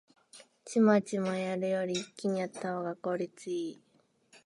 チマチマやるより一気にやったほうが効率いい